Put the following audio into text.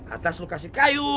atas lu kasih kayu